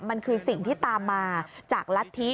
มันคือสิ่งที่ตามมาจากรัฐธิ